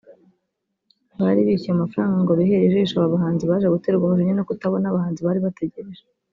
Abari bishyuye amafaranga ngo bihere ijisho aba bahanzi baje guterwa umujinya no kutabona abahanzi bari bategereje